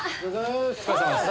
お疲れさまです。